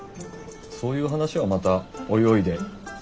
そういう話はまたおいおいで。